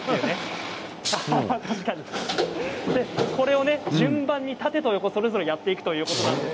確かにこれを順番に縦と横やっていくということです。